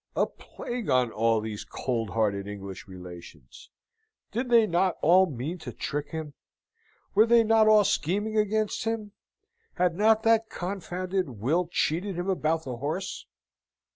A plague on all these cold hearted English relations! Did they not all mean to trick him? Were they not all scheming against him? Had not that confounded Will cheated him about the horse?